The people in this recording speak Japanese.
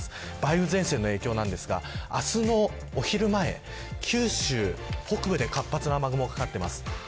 梅雨前線の影響ですが明日のお昼前九州北部で活発な雨雲がかかっています。